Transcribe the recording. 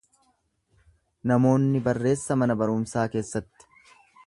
Namoonni barreessa mana barumsaa keessatti.